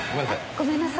ごめんなさい。